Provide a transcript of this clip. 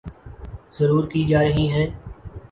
ضرور کی جارہی ہیں